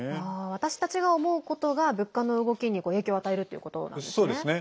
私たちが思うことが物価の動きに影響を与えるっていうことなんですね。